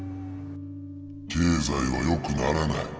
経済はよくならない。